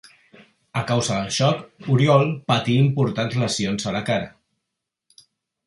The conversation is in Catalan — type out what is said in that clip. A causa del xoc, Oriol patí importants lesions a la cara.